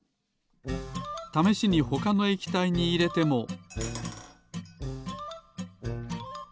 ためしにほかの液体にいれても。